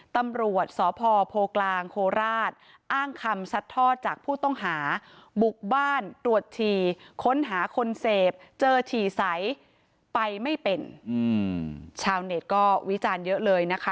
ตรวจถี่ค้นหาคนเสพเจอถี่ใสไปไม่เป็นอืมชาวเน็ตก็วิจารณ์เยอะเลยนะคะ